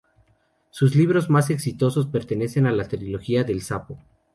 Sus libros más exitosos pertenecen a la trilogía del Sapo.